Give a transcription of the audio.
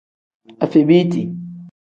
Afebiiti.